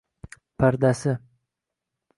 Pardasi!